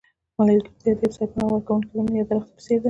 ملګرتیا د یوې سرپناه ورکوونکې ونې یا درخته په څېر ده.